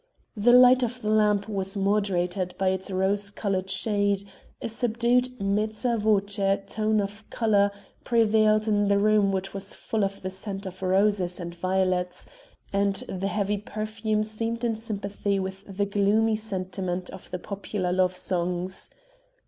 The light of the one lamp was moderated by its rose colored shade; a subdued mezza voce tone of color prevailed in the room which was full of the scent of roses and violets, and the heavy perfume seemed in sympathy with the gloomy sentiment of the popular love songs.